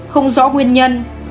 không rõ nguyên nhân